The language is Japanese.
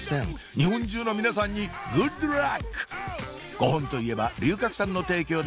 日本中の皆さんにグッドラック！